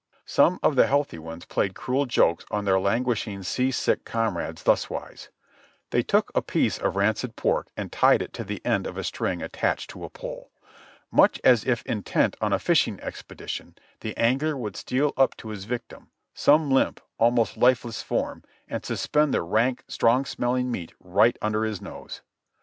Some of the healthy ones played cruel jokes on their languish ing sea sick comrades thus wise : they took a piece of rancid pork and tied it to the end of a string attached to a pole. Much as if intent on a fishing expedition, the angler would steal up to his vic tim— some limp, almost lifeless form — and suspend the rank, strong smelling meat right under his nose.